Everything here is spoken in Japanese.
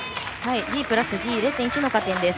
ＤプラスＤ０．１の加点です。